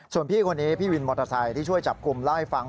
ส่วนพี่คนนี้พี่วินมอเตอร์ไซค์ที่ช่วยจับกลุ่มเล่าให้ฟัง